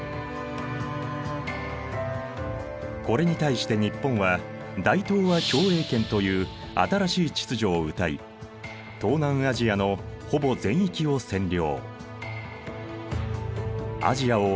これに対して日本は大東亜共栄圏という新しい秩序をうたい東南アジアのほぼ全域を占領。